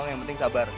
yang penting sabar